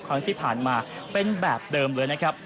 ครั้งที่ผ่านมาเป็นแบบเดิมเลยนะครับ